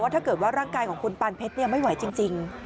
ถ้าเกิดว่าร่างกายของคุณปานเพชรไม่ไหวจริง